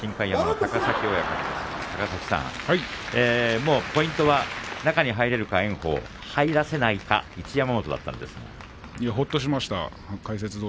高崎さん、ポイントは中に入れるか、炎鵬入らせないか一山本でしたが。